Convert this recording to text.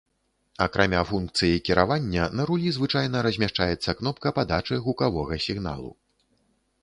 Акрамя функцыі кіравання, на рулі звычайна размяшчаецца кнопка падачы гукавога сігналу.